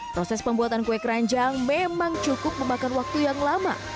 proses pembuatan kue keranjang memang cukup memakan waktu yang lama